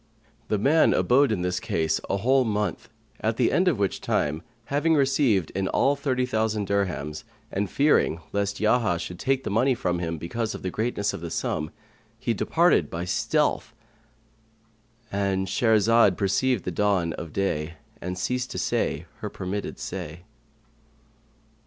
The man abode in this case a whole month, at the end of which time, having received in all thirty thousand dirhams and fearing lest Yahya should take the money from him, because of the greatness of the sum, he departed by stealth.—And Shahrazad perceived the dawn of day and ceased to say her permitted say.